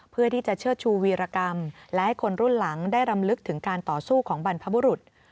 เพื่อที่จะเชิดชูวีรกรรมและให้คนรุ่นหลังได้รำลึกถึงการต่อสู้ของบรรพบุรุษ